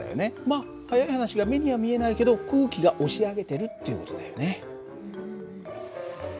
まあ早い話が目には見えないけど空気が押し上げてるっていう事だよね。